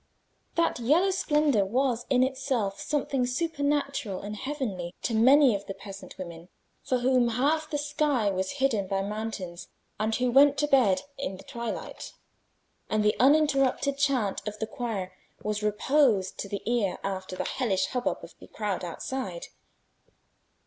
That yellow splendour was in itself something supernatural and heavenly to many of the peasant women, for whom half the sky was hidden by mountains, and who went to bed in the twilight; and the uninterrupted chant from the choir was repose to the ear after the hellish hubbub of the crowd outside.